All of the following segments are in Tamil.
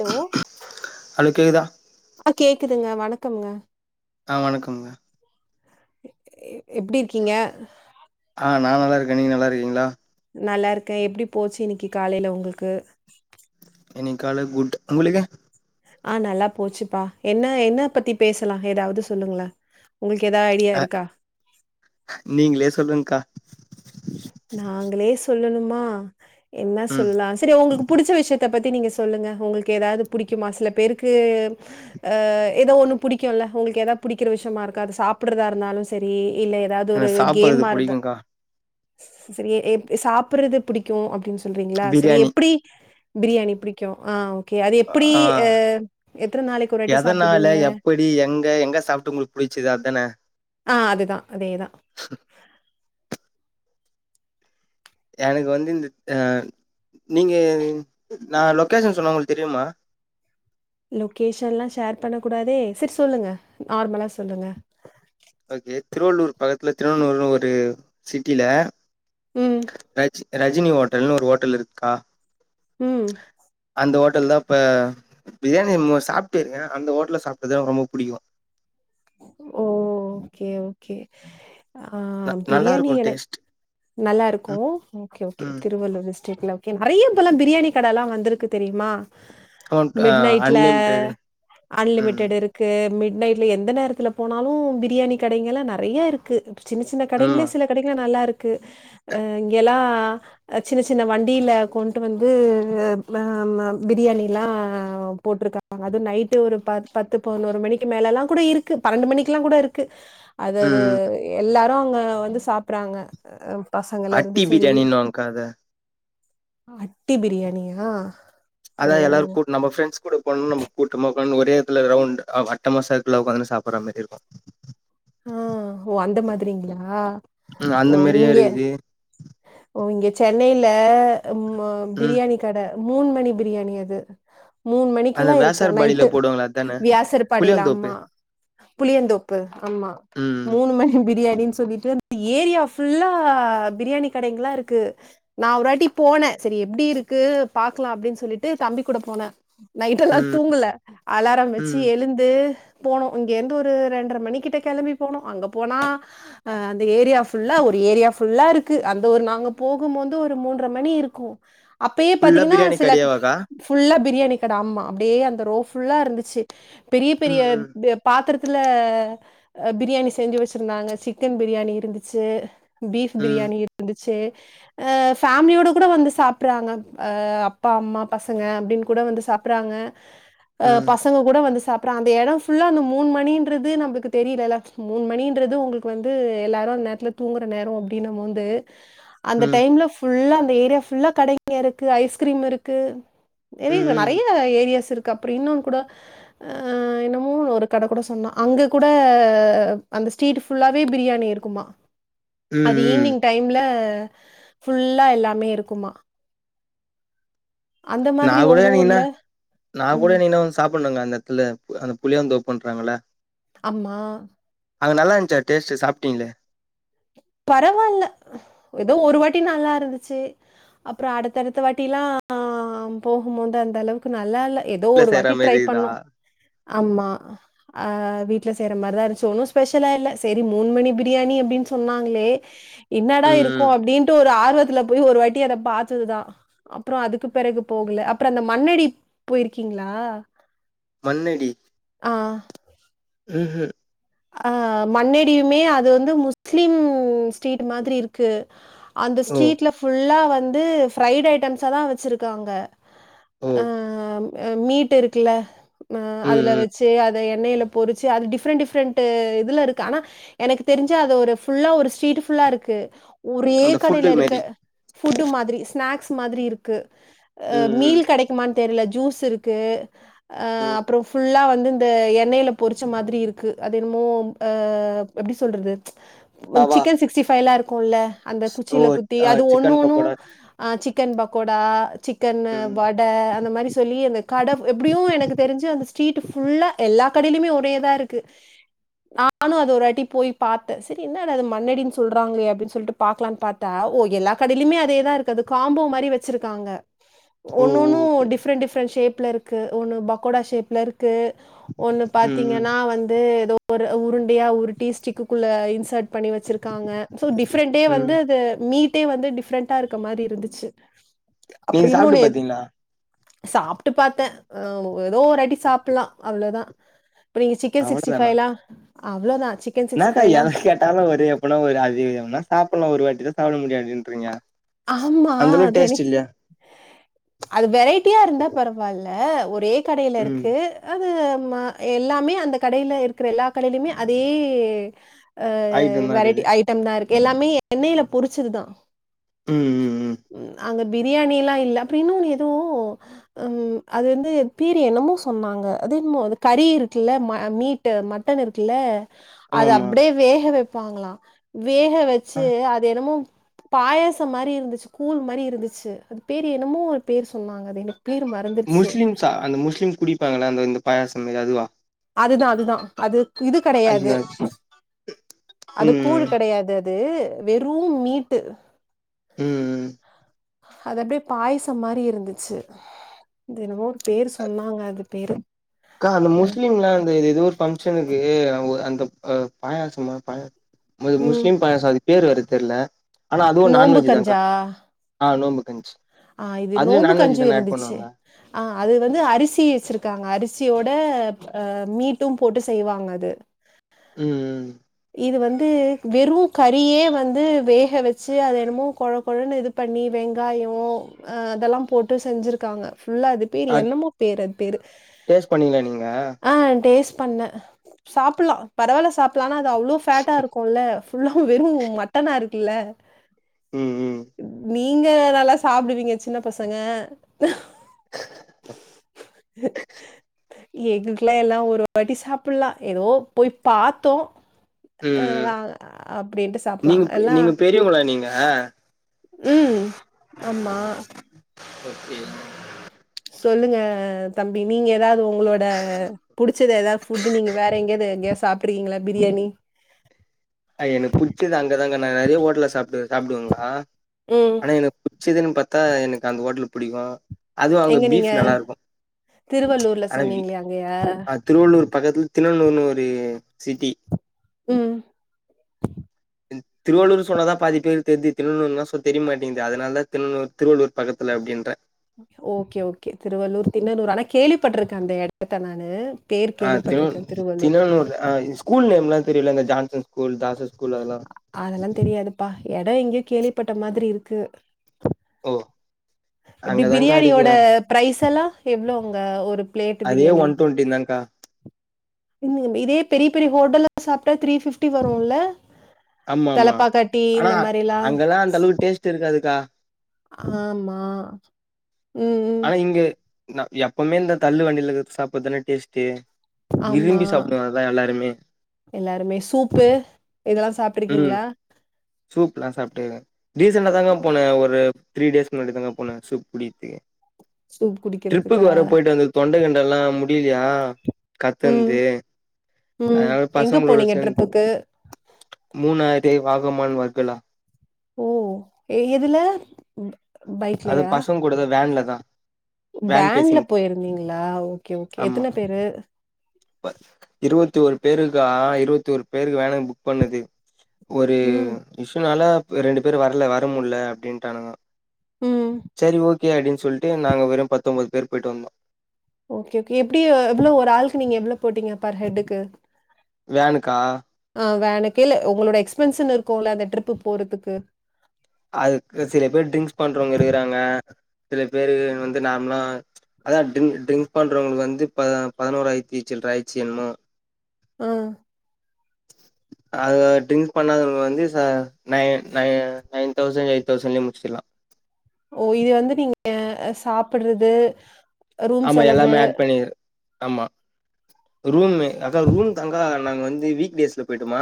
ஹலோ ஹலோ கேக்குதா அ கேக்குதுங்க வணக்கம்ங்க ஆ வணக்கம்ங்க எப்டி இருக்கீங்க ஆ நா நல்லா இருக்கே நீங்க நல்லா இருக்கீங்ளா நல்லா இருக்கே எப்டி போச்சு இன்னக்கி காலைல ஒங்ளுக்கு இன்னைக்கு கால குட் உங்ளுக்கு ஆ நல்லா போச்சுப்பா என்ன என்ன பத்தி பேச்லா ஏதாவது சொல்லுங்ளே உங்ளுக்கு ஏதா ஐடியா இருக்கா நீங்ளே சொல்லுங்கா நாங்ளே சொல்லணுமா என்னா ம் சொல்லலா சரி ஒங்ளுக்கு புடிச்ச விஷயத்த பத்தி நீங்க சொல்லுங்க ஒங்ளுக்கு ஏதாது புடிக்குமா சில பேருக்கு அ ஏதோ ஒன்னு புடிக்குல்ல ஒங்ளுக்கு ஏதா புடிக்கிற விஷயமா இருக்கு அது சாப்பிடுறதா இருந்தாலு செரி இல்ல ஏதாவுது ஒரு எனக்கு சாப்புறது கேம்மா இருந்தா புடிக்குங்க்கா செரி எப் சாப்புறது புடிக்கு அப்டின் சொல்றீங்ளா செரி பிரியாணி எப்டி பிரியாணி பிடிக்கு ஆ ஓகே அது எப்டி ஆ அ எத்தன நாளைக்கு ஒரு வாட்டி சாப்டுவீங்க எப்டி எங்க எங்க சாப்ட்டு உங்ளுக் புடிச்சது அதானே ஆ அதுதா அதேதா [inaudible] எனக்கு வந்து இந்த அ நீங்க நா லொக்கேஷன் சொன்னா ஒங்களுக்கு தெரியுமா லொக்கேஷன்லா ஷேர் பண்ண கூடாதே சேர் சொல்லுங்க நார்மலா சொல்லுங்க ஓகே திருவள்ளூர் பக்கத்துல திருவன்னுர்னு ஒரு சிட்டில ம். ரஜ் ரஜினி ஹோட்டல்ன்னு ஒரு ஹோட்டல் இருக்கா ம் அந்த ஹோட்டல் தா இப்ப பிரியாணி மோ சாப்டு இருக்கே அந்த ஹோட்டல சாப்டதா ரொம்ப புடிக்கு ஓ ஓகே ஓகே ஆ ந நல்லா பிரியாணி இருக்கு எனக் டேஸ்ட் நல்லா இருக்கு ஓகே ஓகே ம் திருவள்ளூர் டிஸ் [unintelligible] ஓகே நெறைய இப்போலா பிரியாணி கடலா வந்திருக்கு தெரியுமா கவுண்ட் ஆ மிட் நைட்ல அன்லிமிடெடு ம் அன்லிமிட்டட் இருக் கு மிட் நைட்ல எந்த நேரத்துல போனாலு பிரியாணி கடைங்கலா நெறைய இருக்கு சின்ன சின்ன ஆமா கடைங்களே சில கடைங்கள நல்லா இருக்கு அ இங்கேலா சின்ன சின்ன வண்டியில கொண்டு வந்து அ பிரியாணியலா போட்டிருக்கா அது நைட்டு ஒரு ப பத்து பதினொரு மணிக்கு மேலலா கூட இருக்கு பன்னெண்டு மணிக்கெல்லா கூட இருக்கு அது அது ம் எல்லாரு அங்க வந்து சாப்புறாங்க அ பசங்களா ரொம்ப அட்டி சரி பிரியாணின்னுவாங்க்கா அத அட்டி பிரியாணியா ஓ! அதா எல்லாரு கூட் நம்ம ஃப்ரெண்ட்ஸ் கூட போனோனா நம்ம கூட்டமா உக்காந்து ஒரே எடத்துல ரவுண்ட் வட்டமா சர்க்லா உக்காந்து சாப்புற மாரி இருக்கு ஆ ஓ அந்த மாதிரிங்களா ம் அந்த ஓ மாரியே இங்கே இருக்குது ஓ இங்க சென்னையில ம் பிரியாணி க கட மூன் மணி பிரியாணி அது மூனு அந்த மணிக்கெல்லா இருக்கு வேசார் பாடியில நைட்டு போடுவாங்களே அதான வியாசர்பாடில புளியாந்தோப்பு ஆம்மா புளியந்தோப்பு ஆமா ம் மூனு மணி பிரியாணினு சொல்லி [unintelligible] ஏரியா ஃபுல்லா பிரியாணி கடைங்களா இருக்கு நா ஒருவாட்டி போன சரி எப்டி இருக்கு பாக்கலா அப்டின்னு சொல்லிட்டு தம்பி கூட போன நைட் எல்லா ம் தூங்கல அலாரம் வச்சு ம் எழுந்து போனோ இங்க இருந்து ஒரு ரெண்ர மணிக்கு கிட்ட கெளம்பி போனோ அங்க போனா அ அந்த ஏரியா ஃபுல்லா ஒரு ஏரியா ஃபுல்லா இருக்கு அந்த ஒரு நாங்க போகுபோது ஒரு மூன்ற மணி இருக்கு அப்பயே ஃபுல்லா பாத்தீங்கன்னா பிரியாணி சில கடையாவாக்கா ஃபுல்லா பிரியாணி கட ஆமா அப்டியே அந்த ரோ ஃபுல்லா இருந்துச்சு பெரிய பெரிய ம் ம் பெ பாத்துரத்ல பிரியாணி செஞ்சு வச்சிருந்தாங்க சிக்கன் பிரியாணி இருந்துச்சு பீஃப் ம் பிரியாணி இருந்துச்சு ஆ ஃபேமிலியோட கூட வந்து சாப்ட்றாங்க அ அப்பா அம்மா பசங்க அப்டின் கூட வந்து சாப்றாங்க ஆ ம் பசங்க கூட வந்து சாப்புறா அந்த எடம் ஃபுல்லா அந்த மூனு மணின்றது நம்பள்க்கு தெரிலலா மூனு மணின்றது உங்களுக்கு வந்து எல்லோரு அந்த நேரத்ல் தூங்குற நேர அப்டின்னமோது அந்த ம் டைம்ல ஃபுல்லா அந்த ஏரியா ஃபுல்லா கடைங்க இருக்கு ஐஸ்கிரீம் இருக்கு ம் தெரில ம் நெறைய ஏரியாஸ் இருக்கு கப்ரின்னு கூட ஆ என்னமோ ஒரு கட கூட சொன்னா அங்க கூட அந்த ஸ்ட்ரீட் ஃபுல்லாவே பிரியாணி இருக்குமா ம் அது ம் ஈவ்னிங் டைம்ல் ஃபுல்லா எல்லாமே இருக்குமா அந்த நா மாதிரி கூட ஒங்க நீங்கன்னா ஊர்ல நா கூட ம். இன்னிக்னா வந்து சாப்புனுங்க அந்த எத்துல அந்த புளியந்தோப்புண்ணறாங்கள அம்மா அது நல்லான்ச்சா டேஸ்ட்டு சாப்ட்டீங்ளே பரவால்ல ஏதோ ஒரு வாட்டி நல்லாருந்துச்சு அப்றோ அடுத்தடுத்த வாட்டிலா போகும்போது அந்த அளவுக் கு நல்லால்ல ஏதோ வீட்ல ஒரு செய்ற வாட்டி ட்ரை மாரி இதா பண்ணோ ஆமா ஆ வீட்ல செய்ற மாரிதாருஞ்ச்சு ஒன்னு ஸ்பெஷலா இல்ல செரி மூனு மணி பிரியாணி அப்டின்னு சொல் டு சொன்னாங்ளே என்னடா இருக்கு ம் அப்டின்ட்டு ஒரு ஆர்வத்துல போய் ஒரு வாட்டி அத பாத்ததுதா அப்றோ அதுக்கு பெறகு போகல அப்றோ அந்த மன்னடி போய்ருக்கீங்ளா மன்னடி ஆ ம் ஹும் ஆ மன்னடியுமே அது வந்து முஸ்லீம் ஸ்டீட் மாதிரிருக்கு அந்த ஓ ஸ்ட்ரீட்ல ஃபுல்லா வந்து ஃப்ரைடு ஐட்டம்ஸா தா வச்சுருக்காங்க ஓ ஆ மீட் இருக்குல்ல ஆ ம் அதுல ம் வச்சு அது அது எண்ணெல பொறிச்சி அது டிஃப்ரன்ட் டிஃப்ரன்ட் டு இதுலருக்கு ஆனா எனக்கு தெரிஞ்சு அது ஒரு ஃபுல்லா ஒரு ஸீட்டு ஃபுல்லாருக்கு ஒரே அந்த ஃபுட்டு கடைலருக்கு மாரி ஃபுட்டு மாதிரி ஸ்நாக்ஸ் மாதிரி இருக் கு ம் ம் மீல் கெடைக்குமான் தெரில ஜூஸ் இருக்கு அ ம் அப்றோ ஃபுல்லா வந்து இந்த எண்ணெய்ல பொறிச்ச மாதிரிருக்கு அது என்னமோ ஆ எப்டி சொல்றது வா வா சிக்கன் சிக்ஸ்டி ஃபைவ்லா இருக்குல அந்த ஓ குச்சில குத்தி ஆ அது சிக்கன் ஒன்னொன்னு பக்கோடா அ சிக்கன் பக்கோடா சிக்கன் ம் வ வ அந்த கட அந்த மாதிரி சொல்லி அந்த கட ட எப்டியு எனக்கு தெரிஞ்சு அந்த ஸ்ட்ரீட் ஃபுல்லா எல்லா கடையுமே ஒரேதா இருக்கு நானு அது ஒரு வாட்டி போய் பாத்தே சேரி என்னடா அது மன்னடின்னு சொல்றாங்களே அப்டின்னு சொல்ட்டு பாக்லான் பாத்தா ஓ எல்லா கடைலயுமே அதோதா இருக்கு காம்போ மாரி வச்சுருக்காங்க ஓ ஒன்னொன்னு ஓகே டிஃப்ரெண்ட் டிஃப்ரெண்ட் ஷேப்லருக்கு ஒன்னு பக்கோடா ஷேப்லருக்கு ஒண்ணு ம் ம் பாத்தீங்கன்னா வந்து ஏதோ ஒரு உருண்டையா உருட்டி ஸ்டிக்குக்குள்ள இன்சர்ட் பண்ணி வச்சிருக்காங்க சோ டிஃப்ரெண்ட்டே ம் வந்துது மீட் டே‌ வந்து டிஃப்ரெண்டாருக்க மாரி இருந்துச்சு அப்டி நீங்க இன்னொன்னு சாப்ட்டு இது பாத்தீங்களா சாப்ட்டு பாத்தே அ ஏதோ ஒரு வாட்டி சாப்புட்லா அவ்ளோதா இப்ப நீங்க சிக் கன் சிக்ஸ்டி ஃபைவ் எல்லா அவ்ளோ தா என்னக்கா எத கேட்டாலு ஒரு எப்பனா ஒரு அது அதிகம்னா சாப்பிட்லா ஒரு வாட்டி தா சாப்ட முடியு அப்டின்றீங்க ஆமா அந்த அளவு அதானே டேஸ்ட் இல்லையா அது வெரைட்டியாருந்தா பரவாயில்ல ஒரே கடைல ம் இருக்கு அது ஆமா‌ எல்லாமே அந்த கடைல இருக்கிற எல்லா கடைலயுமே அதே அ ஐட்டம் தா வெரைட்டி இருக்குது ஐட்டம் தாருக்கு எல்லாமே எண்ணெய்ல பொரிச்சதுதா ம் ம் ம் அங்க பிரியாணில்லா இல்ல அப்றோ இன்னுனு எதோ ம் அது வந்து பேர் என்னமோ சொன்னாங்க அது என்மோ அது கறி இருக்குல்ல மீட் டு மட்டன் இருக்குல்ல அது ஆமா அப்டியே வேக வைப்பாங்களாம் வேக வச்சு ஆமா அத என்னமோ பாயசம் மாரிருந்துச்சு கூழ் மாரிருந்துச்சு அது பேர் என்னமோ ஒரு பேர் சொன்னாங்க அது எனக் பேர் மற முஸ்லிம்ஸா அந்த முஸ்லிம்ஸ் குடிப்பாங்கள அந்த இந்த பயாசம் மாரி அதுவா அதுதா அதுதா அது இது கிடையாது ஐயோ அது ம் கூழ் ம் கிடையாது அ து வெறும் மீட்டு ம் ம் அது அப்டியே பாயசம் மாரி இருந்துச்சி ன்மோ பேரு சொன்னாங்க அது பேரு அக்கா அந்த முஸ்லீம்லா அந்த எதோ ஒரு பங்க்ஷனுக்கு அந்த ப் அ பாயாசம் மு ம் முஸ்லிம் பாயாசோ அதுக் பேர் வேற தெர்ல ஆனா அதுவு நோம்பு நான்வெஜ் தான்கா கஞ்சா ஆ நோம்பு கஞ்ச்சி ஆ இது நோன்ம்பு கஞ்சி இருந்துச்சி ஆ அது வந்து அரிசி வெச்சிருக்காங்க அரிசியோட மீட்டும் போட்டு செய்வாங்க அது ம் ம் இது வந்து வெறு கறியே வந்து வேக வெச்சி அத என்னமோ கொழ கொழன்னு இது பண்ணி வெங்காய அ அதெல்லா போட்டு செஞ்சிருக்காங்க ஃபுல்லா அது பேரு அ என்னமோ பேரு அது பேரு டேஸ்ட் பண்ணீங்களா நீங்க ஆ டேஸ்ட் பண்ண சாப்ல்லா பரவால சாப்பலானா அது அவ்ளோ ப்ளாட்டா இருக்குல்ல உஹும் வெறும் மட்டனா இருக்குல்ல ம் ம் நீங்க நல்லா சாப்டுவீங்க சின்ன பசங்க எங்ளுக்கெல்லா எல்லா ஒரு வாட்டி சாப்ல்லா ஏதோ போய் பாத்தோ அ ம் ம் வா அப்டின்ட்டு சாப்பலா நீங்க பெ எல்லா நீங்க பெரியவங்களா நீங்க ம் ஆமா ஓகே [unintelligible] சொல்லுங்க தம்பி நீங்க ஏதாவது உங்களோட புடிச்சத ஏதாவது ஃபுட்டு நீங்க வேற எங்கியாவது எங்கியாது சாப்ட்ருக்கீங்களா பிரியாணி அது எனுக் பிடுச்சித அங்கதாங்க நா நொறைய ஹோட்டல சாப்பிடு சாப்பிடுவங்கா ம். ஆனா எனக் புச்சதுன்னு பார்த்தா எனுக்கு அந்த ஹோட்டல புடிக்கு அதுவு அங்க எங்க பீப் நீங்க? நல்லா இருக்கும் திருவள்ளூர்ல சொன்னீங்களே அங்கயா? [unintelligible] திருவள்ளூர் பக்கத்தில தின்னனூர்னு ஒரு சிட்டி ம் திருவள்ளூர் சொன்னதா பாதி பேர் தெர்து திண்ணூறுனா சோ தெரிய மாட்டேங்கிது அதனால தா தின்னனூர் திருவள்ளூர் பக்கத்துல அப்டின்ற ஓகே ஓகே திருவள்ளூர் தின்னனூர் ஆனா கேள்விப்பட்டிருக்கே அந்த எடத்த நானு பேர் ஆ திரு கேள்விப்பட்டுருக்கேன் திருவள்ளூர். தின்னனூர் ஆ ஸ்கூல் நேம்லா தெரியுள்ள இந்த ஜான்சன் ஸ்கூல் தாசர் ஸ்கூல் அதெல்லா அதெல்லா தெரியாதுப்பா எடோ எங்கியோ கேள்விப்பட்ட மாதிரி இருக்கு ஓ எப்டி அங்கதான்கா இருக்கு பிரியாணியோட பிரைஸ்ஸல்லா எவ்ளோ அங்க ஒரு பிளேட் அதே பிரியாணி ஒன் டுவெண்ட்டி தான்கா இன்னு இதே பெரிய பெரிய ஹோட்டலா சாப்ட்டா த்ரீ பிப்டி வருல்ல ஆமா ஆமா ஆனா மாரிலாம் அங்கெல்லா அந்த அளவுக்கு டேஸ்ட் இருக்காதுக்கா ஆமா ம், ம். ஆனா இங்க எப்பவுமே இந்த தள்ளு வண்டியில சாப்றதுதானே டேஸ்ட்டு ஆமா விரும்பி சாப்பிடுவாங்க அதா எல்லாருமே எல்லாருமே சூப்பு இதெல்லா ம் சாப்ட்ருக்கீங்ளா சூப்லா சாப்டுகிற ரீசண்டா தாங்க போன ஒரு த்ரீ டேஸ் முன்னாடிதாங்க போனே சூப் குடிக்கிற்துக்கு சூப் ட்ரிப்புக்கு குடிக்கிறதுக்கா? வேர போயிட்டு வந்து தொண்டகிண்டெல்லா முடியிலையா ம், கத்தன்து ம். அதனால எங்க பசங்களோட போனீங்க சேந் ட்ரிப்புக்கு? மூணாயிரத்தி ஐநூறு வாகமானு வர்கலா ஓ எ எதுல அது பைக்லயா? பசங்கூடதா வேன்லதா வேன்ல போயிருந்தீங்ளா ஓகே ஓகே எத்தன பேரு பக் இருவத்தி ஓர் பேருக்கா இருவத்தி ஒரு பேருக்கு வேன புக் பண்ணது ஒரு ம், இஷ்சுனால ரெண்டு பேரு வர்ல வர முட்ல அப்டின்ட்டானுங்கோ ம். செரி ஓகே அப்டின்னு சொல்ட்டு நாங்க வெறு பத்தம்போது பேர் போயிட்டு வந்தோ ஓகே ஓகே எப்டி எவ்ளோ ஒரு ஆளுக்கு நீங்க எவ்ளோ போட்டீங்க பா ஹெட்டுக்கு வேனுக்கா ஆ வேனுக்கு இல்ல உங்களோட எக்ஸ்பென்ஸ்சனு இருக்குல அந்த ட்ரிப்பு போறதுக்கு அதுக்கு சில பேர் ட்ரிங்க்ஸ் பண்றவங்க இருக்குறாங்க சில பேரு வந்து நார்ம்லா அதா ட்ரிங்க் ட்ரிங்க் பண்றவங்களுக்கு வந்து ப பதினோராயிரத்தி சில்ற ஆய்ச்சு என்மோ ம் அது ட்ரிங்க் பண்ணாத வந்து ச nine nine nine thousand eight தௌசண்ட்லே முடிச்சிட்லா ஓ இது வந்து நீங்க சாப்டுறது ஆமா எல்லாமே ஆட் பண்ணி ஆமா ரூம்மு அக்கா ரூம் தாங்காலா நாங்க வந்து வீக்டேஸ்ல போய்ட்டமா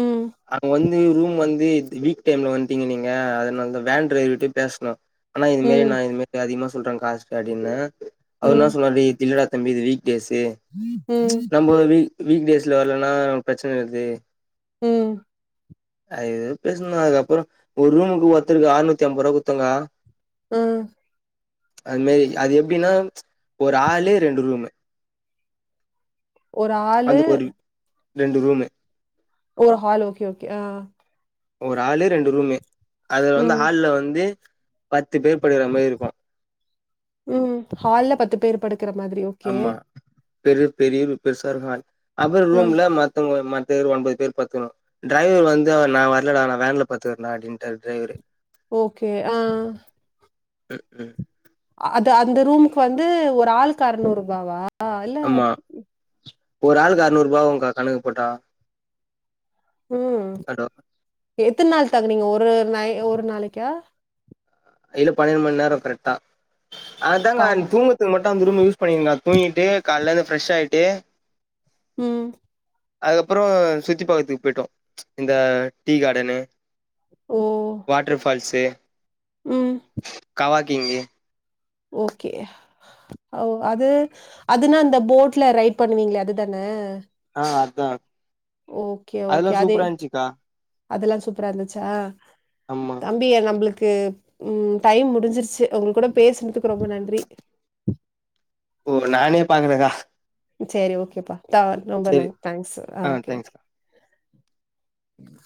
ம் அது வந் ந்து ரூம் வந்து வீக் டைம்ல வண்ட்டீங்க நீங்க அதனாலாத வேன் டிரைவர்ட்டயு பேஸ்னோ ஆனா இதுமாரி ம் நா இதுமேட்டு அதிகமா சொல்றே காசு அப்டின்னு அவர் என்னா ம் சொல்வாரு இது இல்லடா தம்பி இது வீக் டேஸ்சு ம் நம்ம ஒரு வீ வீக் டேஸ்ல வர்ல்லனா பிரச்சன வருது ம் அது எதோ பேசுனகா அதுக்கப்பற ஒரு ரூமுக்கு ஒருத்தருக்கு அறனூத்தி அம்பருவா குத்துக்கா ம் அது மாரி அது எப்டின்னா ஒரு ஹாலு ரெண்டு ரூமு ஒரு ஆளு அந்த ஒரு ரெண்டு ரூம்மு ஓ ஹாலு ஓகே ஓகே அ ஒரு ஆலு ரெண்டு ரூம்மே அதுல வந்து ம் ஹால்ல வந்து பத்து பேர் படுகக்குற மாரி இருக்கு ம் ஹால்ல பத்து பேர் படுக்கற மாரியோ ஆமா பெரி பெரிய பெர்சா இருக்கு ஹால் அப்பற ஆ ரூம்ல மத் தவங்க மத்த பேர் ஒன்பது பேர் பத்துணுனோ டிரைவர் வந்து அவரு நா வர்லடா நா வேன்ல பத்துக்கிறேண்டா அப்டின்டாரு டிரைவரு ஓகே ஆ ம்க்கு அது அந்த ரூமுக்கு வந்து ஒரு ஆளுக்கு அறனூறு ருபவா ஆமா ஒரு ஆளுக்கு அறுனூறு ரூபா ஆகுங்க்கா கணக்கு போட்டா ம் கடோ எத்தன நாள் தங்குனீங்க ஒரு ஒரு நாய் ஒரு நாளைக்கா இது பன்னெட் மண் நேரோ கரெக்டா அதாங்க பா நீங்க தூங்கப் போறப்ப மட்டு அந்த ரூம யூஸ் பண்ணிக்லா தூங்கிட்டு கால்ல எந்து ஃப்ரெஷ் ஆயிட்டு ம் அதுக்கப்பற சுத்தி பாக்கறதுக்கு போயிட்டோ இந்த டீ கார்டனு ஓ வாட்டர்ஃபால்ஸ்சு ம் அ வாக்கிங்கு ஓகே அது அதுனா அந்த போட்ல ரைட் பண்ணுவீங்ளே அதுதான அ அத்தா ஓகே ஓகே அது அதெல்லா சூப்பரா இருந்துச்சா ஆமா தம்பிய நம்ப்ளுக்கு ம் டைம் முடிஞ்சிருச்சு அ உங் கூட பேசினதுக்கு ரொம்ப நன்றி ஓ நானே பாக்கலக்கா சீரி ஓகேப்பா த ரொம்ப ந சரி தேங்க்ஸ் அ ஆ ஓகே தேங்க்ஸ் ஓகே உம்